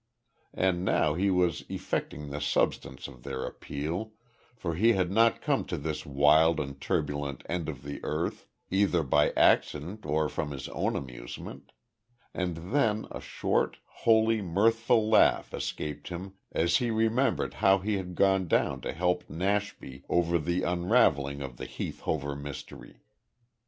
And now he was effecting the substance of their appeal, for he had not come to this wild and turbulent end of the earth, either by accident or for his own amusement and then a short, wholly mirthful laugh escaped him as he remembered how he had gone down to help Nashby over the unravelling of the Heath Hover mystery.